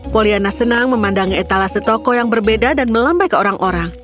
poliana senang memandangi etalase toko yang berbeda dan melambai ke orang orang